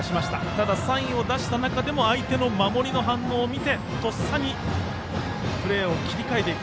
ただ、サインを出した中でも相手の守りの反応を見てとっさにプレーを切り替えていく。